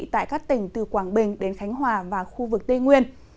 tại các tỉnh từ quảng bình đến khánh hòa và khu vực tây nguyên